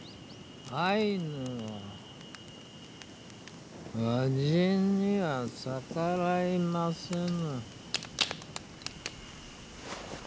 アイヌは和人には逆らいませぬ。